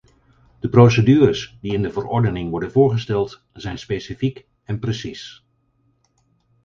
De procedures die in de verordening worden voorgesteld zijn specifiek en precies.